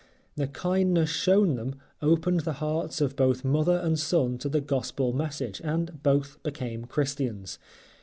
The kindness shown them opened the hearts of both mother and son to the Gospel message and both became Christians.